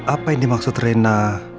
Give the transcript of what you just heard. apa yang dimaksud rena